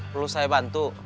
perlu saya bantu